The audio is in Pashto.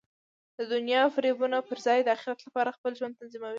د دنیا د فریبونو پر ځای د اخرت لپاره خپل ژوند تنظیمول.